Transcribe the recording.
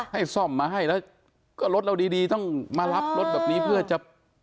ให้ซ่อมมาให้แล้วก็รถเราดีต้องมารับรถแบบนี้เพื่อจะ